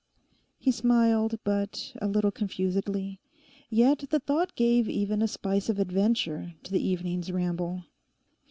He smiled, but a little confusedly; yet the thought gave even a spice of adventure to the evening's ramble.